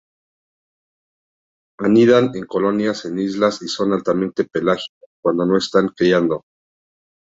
Anidan en colonias en islas y son altamente pelágicas cuando no están criando.